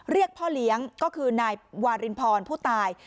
เรียกพ่อเลี้ยงก็คือนายวารินพรผู้ตาย